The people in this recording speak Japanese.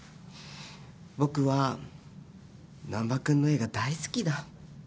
僕は難破君の絵が大好きだ。